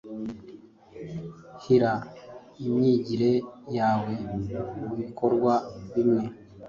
hira imyigire yawe mubikorwa bimwe